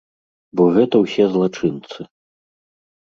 Бо гэта ўсе злачынцы.